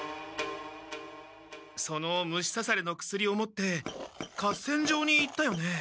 その虫さされの薬を持って合戦場に行ったよね？